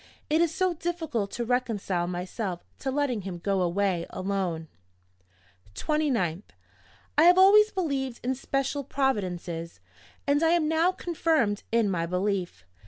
It is so difficult to reconcile myself to letting him go away alone. "29th. I have always believed in special providences; and I am now confirmed in my belief.